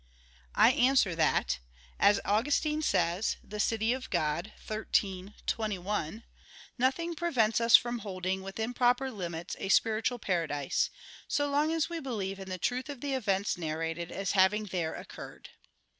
I answer that, As Augustine says (De Civ. Dei xiii, 21): "Nothing prevents us from holding, within proper limits, a spiritual paradise; so long as we believe in the truth of the events narrated as having there occurred."